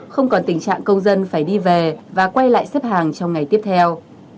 không còn tình trạng công dân phải đi về và quay lại xếp hàng trong ngày tiếp theo